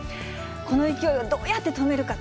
この勢いをどうやって止めるか。